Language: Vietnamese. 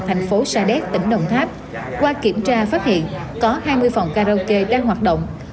thành phố sa đéc tỉnh đồng tháp qua kiểm tra phát hiện có hai mươi phòng karaoke đang hoạt động